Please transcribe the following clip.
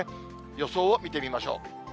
予想を見てみましょう。